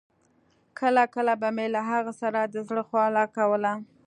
کله کله به مې له هغه سره د زړه خواله کوله.